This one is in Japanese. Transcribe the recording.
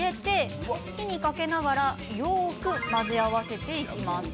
鍋に入れて、火にかけながらよく混ぜ合わせていきます。